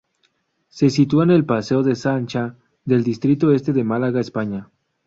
Se sitúa en el Paseo de Sancha del distrito Este de Málaga, España.